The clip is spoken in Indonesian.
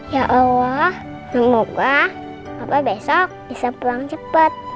ya allah semoga papa besok bisa pulang cepet